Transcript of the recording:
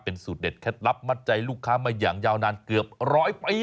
สูตรเด็ดเคล็ดลับมัดใจลูกค้ามาอย่างยาวนานเกือบร้อยปี